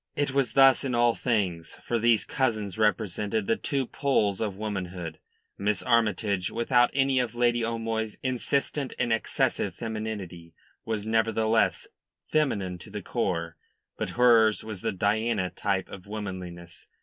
It was thus in all things, for these cousins represented the two poles of womanhood. Miss Armytage without any of Lady O'Moy's insistent and excessive femininity, was nevertheless feminine to the core. But hers was the Diana type of womanliness.